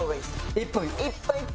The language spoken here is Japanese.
１分１分。